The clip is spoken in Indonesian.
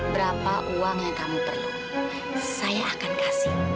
berapa uang yang kamu perlu saya akan kasih